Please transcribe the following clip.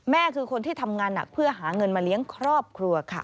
คือคนที่ทำงานหนักเพื่อหาเงินมาเลี้ยงครอบครัวค่ะ